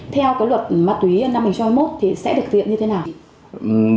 theo luật ma túy năm hai nghìn hai mươi một sẽ được thiện như thế nào